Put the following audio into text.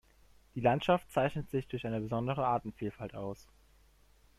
Die Landschaft zeichnet sich durch eine besondere Artenvielfalt aus.